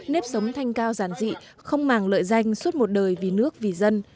nếp sống thanh cao giản dị không màng lợi danh suốt một đời vì nước vì dân